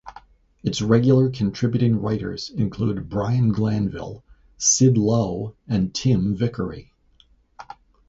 Its regular contributing writers include Brian Glanville, Sid Lowe and Tim Vickery.